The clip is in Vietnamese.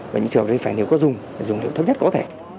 và những trường hợp đấy phải nếu có dùng phải dùng nếu thấp nhất có thể